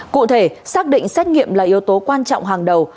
cụ thể xác định xét nghiệm là yếu tố quan trọng hàng đầu